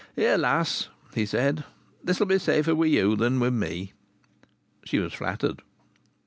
"Here, lass!" he said. "This'll be safer with you than with me." She was flattered.